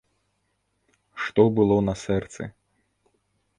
Што было на сэрцы.